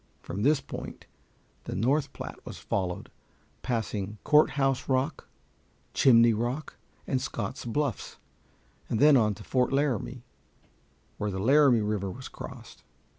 From this point the North Platte was followed, passing Courthouse Rock, Chimney Rock, and Scott's Bluffs, and then on to Fort Laramie, where the Laramie River was crossed.